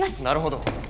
なるほど。